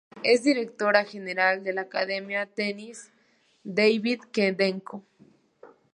Su madre, es directora general de la Academia de Tenis Davydenko.